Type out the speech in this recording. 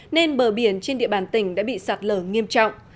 nên bờ biển trên địa bàn tỉnh đã bị sạt lở nghiêm trọng